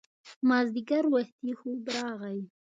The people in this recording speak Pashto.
مازیګر وختي خوب راغی